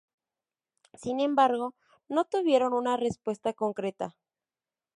Sin embargo, no tuvieron una respuesta concreta.